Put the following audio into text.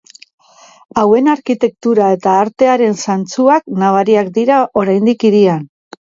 Hauen arkitektura eta artearen zantzuak nabariak dira oraindik hirian.